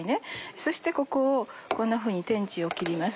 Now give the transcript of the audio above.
そしてここをこんなふうに天地を切ります。